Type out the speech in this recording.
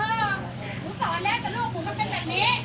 หนูสอนแล้วแต่ลูกหนูมันเป็นแบบนี้